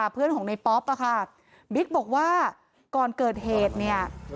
เพื่อนของในป๊อปอะค่ะบิ๊กบอกว่าก่อนเกิดเหตุเนี่ย